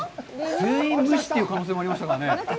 全員無視という可能性もありましたからね。